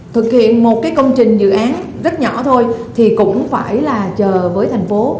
thực hiện một cái công trình dự án rất nhỏ thôi thì cũng phải là chờ với thành phố